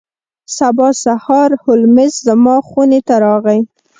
سبا سهار هولمز زما خونې ته راغی.